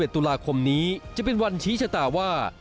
ตุลาคมนี้จะเป็นวันชี้ชะตาว่า